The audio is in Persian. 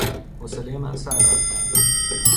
حوصلهی من سررفت.